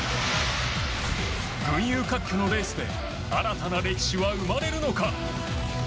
群雄割拠のレースで新たな歴史は生まれるのか。